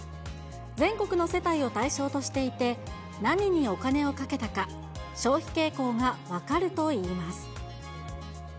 全国の世帯を対象としていて、何にお金をかけたか、消費傾向が分かるといいます。